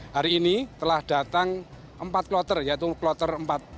hari ini telah datang empat kloter yaitu kloter empat